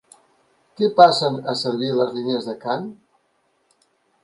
Què passen a servir les línies de cant?